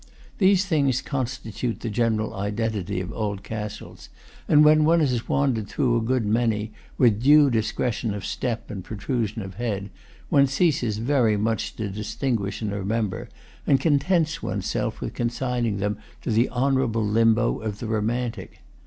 These things constitute the general identity of old castles; and when one has wandered through a good many, with due discretion of step and protrusion of head, one ceases very much to distinguish and remember, and contents one's self with consigning them to the honorable limbo of the romantic.